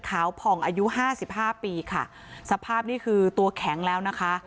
ผ่องอายุห้าสิบห้าปีค่ะสภาพนี่คือตัวแข็งแล้วนะคะ